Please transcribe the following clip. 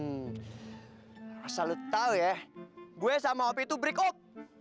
masa lo tau ya gue sama opie itu break up